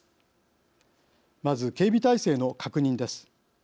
まず、警備態勢の確認です。